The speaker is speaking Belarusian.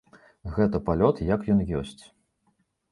Гэта палёт як ён ёсць.